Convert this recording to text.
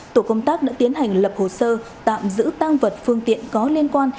tổ công tác đã tiến hành lập hồ sơ tạm giữ tăng vật phương tiện có liên quan